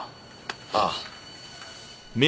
ああ。